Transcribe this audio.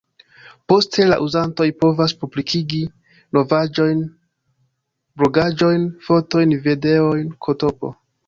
Poste la uzantoj povas publikigi novaĵojn, blogaĵojn, fotojn, videojn, ktp.